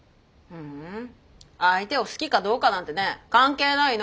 相手を好きかどうかなんてね関係ないの！